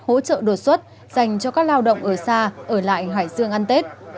hỗ trợ đột xuất dành cho các lao động ở xa ở lại hải dương ăn tết